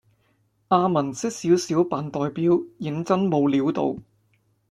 阿文識少少扮代表認真冇料到